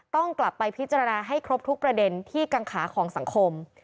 ต้องกลับไปพิจารณาให้ครบทุกประเด็นที่กังขาของสังคม